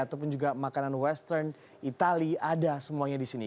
ataupun juga makanan western itali ada semuanya di sini